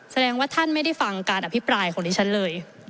แสดงว่าท่านไม่ได้ฟังการอภิปรายของดิฉันเลย